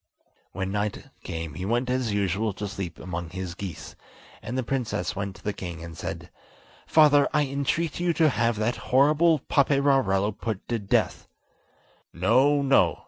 When night came he went as usual to sleep among his geese, and the princess went to the king and said: "Father, I entreat you to have that horrible Paperarello put to death." "No, no!"